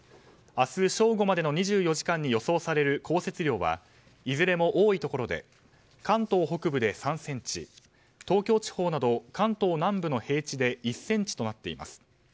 明日正午までの２４時間に予想される降雪量はいずれも多いところで関東北部で３ｃｍ東京地方など関東南部の平地で１ｃｍとなっています。